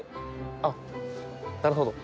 あっ、なるほど。